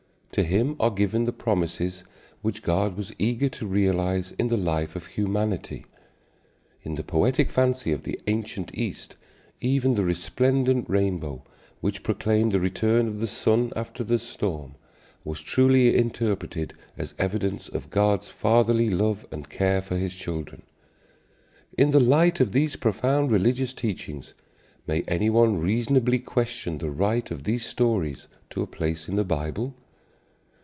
To him are given the promises which God was eager to realize in the life of humanity. In the poetic fancy of the ancient East even the resplendent rainbow, which proclaimed the return of the sun after the storm, was truly interpreted as evidence of God's fatherly love and care for his children. In the light of these profound religious teachings may any one reasonably question the right of these stories to a place in the Bible?